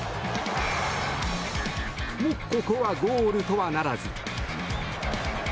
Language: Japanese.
も、ここはゴールとはならず。